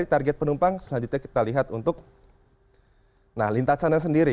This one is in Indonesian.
target penumpang selanjutnya kita lihat untuk nah lintasannya sendiri